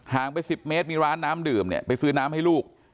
งไป๑๐เมตรมีร้านน้ำดื่มเนี่ยไปซื้อน้ำให้ลูก